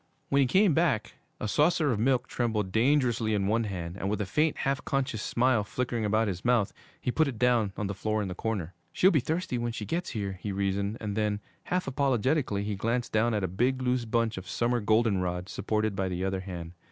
When he came back, a saucer of milk trembled dangerously in one hand, and with a faint, half conscious smile flickering about his mouth, he put it down on the floor in the corner. 'She'll be thirsty when she gets here,' he reasoned; and then, half apologetically, he glanced down at a big, loose bunch of summer goldenrod, supported by the other hand.